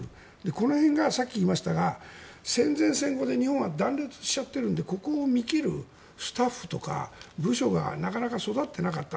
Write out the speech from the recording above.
この辺がさっき言いましたが戦前、戦後で日本は断裂しちゃっているのでここを見切るスタッフとか部署がなかなか育ってなかった。